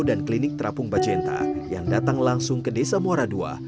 dan klinik terapung bajenta yang datang langsung ke desa muara ii